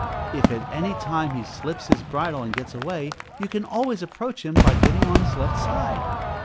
If at any time he slips his bridle and gets away, you can always approach him by getting on his left side.